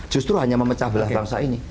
justru hanya memecah belah bangsa ini